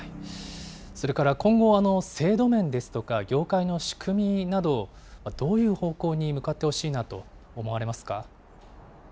それから今後、制度面ですとか、業界の仕組みなど、どういう方向に向かってほしいなと思われますか。